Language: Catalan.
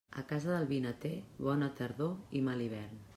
A casa del vinater, bona tardor i mal hivern.